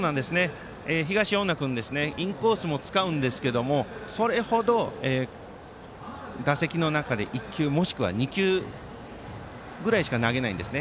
東恩納君はインコース使うんですけどもそれほど、打席の中で１球もしくは２球ぐらいしか投げないんですね。